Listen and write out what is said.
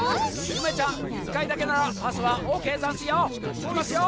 ゆめちゃん１かいだけならパスはオーケーざんすよ。いきますよ。